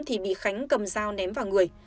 thì bị khánh cầm dao ném vào người